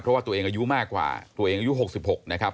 เพราะว่าตัวเองอายุมากกว่าตัวเองอายุ๖๖นะครับ